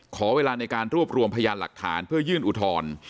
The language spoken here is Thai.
ขอเวลาในการรวบรวมพยานหลักฐานเพื่อยื่นอุทธรณ์